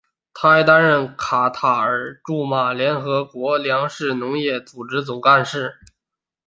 他还担任卡塔尔驻罗马联合国粮食农业组织总干事。